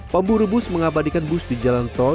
pemburu bus mengabadikan bus di jalan tol